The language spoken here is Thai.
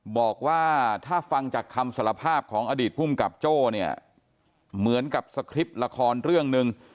บอกว่าถ้าฟังจากคำสารภาพของอดีตภูมิกับโจ้เนี่ยเหมือนกับสคริปต์ละครเรื่องหนึ่ง